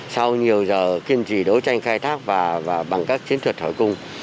sau nhiều giờ kiên trì đấu tranh khai thác và bằng các chiến thuật hỏi cung